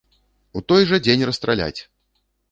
У той жа дзень расстраляць!